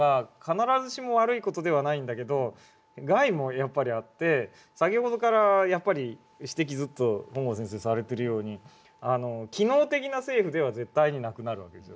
必ずしも悪い事ではないんだけど害もやっぱりあって先ほどからやっぱり指摘ずっと本郷先生されてるように機能的な政府では絶対になくなる訳ですよ。